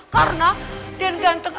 karena den ganteng